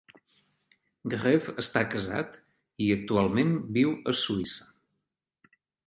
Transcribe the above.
Greve està casat i actualment viu a Suïssa.